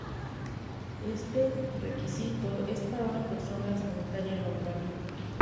Este requisito es para una persona sedentaria normal.